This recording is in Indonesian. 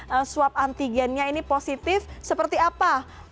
mengantongi hasil swab antigennya ini positif seperti apa